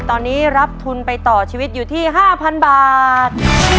ตอนนี้รับทุนไปต่อชีวิตอยู่ที่๕๐๐บาท